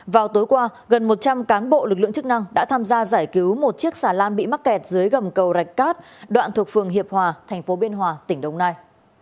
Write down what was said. vào tối qua gần một trăm linh cán bộ lực lượng chức năng đã tham gia giải cứu một chiếc xà lan bị mắc kẹt dưới gầm cầu rạch cát đoạn thuộc phường hiệp hòa thành phố biên hòa tỉnh đồng nai